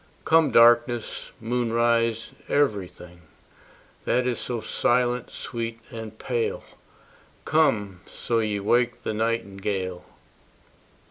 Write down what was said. Come darkness, moonrise, every thing That is so silent, sweet, and pale: Come, so ye wake the nightingale.